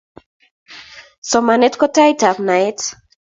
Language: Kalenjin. Somanet ko tait ab naet